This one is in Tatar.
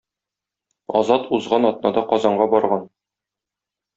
Азат узган атнада Казанга барган.